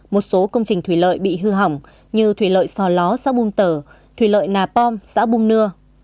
một số công trình thủy lợi bị hư hỏng như thủy lợi sò ló xã bùm tở thủy lợi nà pom xã bùm nưa